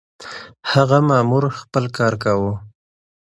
هغه مامور خپل کار کاوه.